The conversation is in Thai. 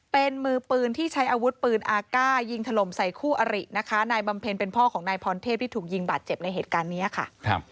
เป็นมือปืนที่ใช้อาวุธปืนอาก้ายิงถล่มใส่คู่อรินะคะนายบำเพ็ญเป็นพ่อของนายพรเทพที่ถูกยิงบาดเจ็บในเหตุการณ์นี้ค่ะ